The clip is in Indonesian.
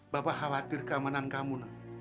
bapak khawatir keamanan kamu